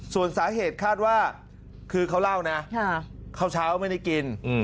ส่วนสาเหตุคาดว่าคือเขาเล่านะข้าวเช้าไม่ได้กิน